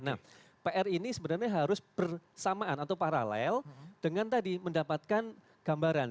nah pr ini sebenarnya harus bersamaan atau paralel dengan tadi mendapatkan gambaran